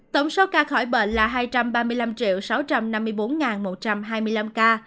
tổng số ca khỏi bệnh là hai trăm ba mươi năm sáu trăm năm mươi bốn một trăm hai mươi năm ca